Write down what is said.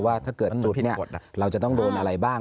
ว่าถ้าเกิดหลุดเราจะต้องโดนอะไรบ้าง